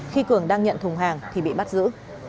khi cường đang nhận thùng hàng thì bị bắt giữ